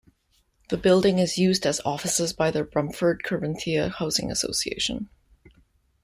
The building is used as offices by the Bromford Corinthia Housing Association.